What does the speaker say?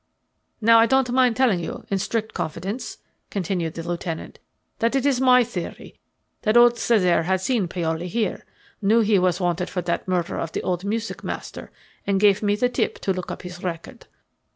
"Now I don't mind telling you in strict confidence," continued the lieutenant, "that it's my theory that old Cesare had seen Paoli here, knew he was wanted for that murder of the old music master, and gave me the tip to look up his record.